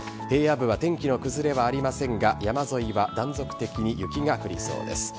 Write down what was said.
平野部は天気の崩れはありませんが山沿いは断続的に雪が降りそうです。